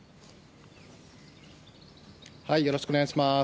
よろしくお願いします。